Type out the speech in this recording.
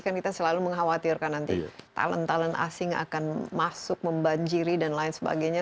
kan kita selalu mengkhawatirkan nanti talent talent asing akan masuk membanjiri dan lain sebagainya